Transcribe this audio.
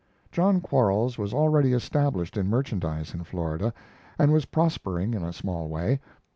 John Quarles was already established in merchandise in Florida, and was prospering in a small way.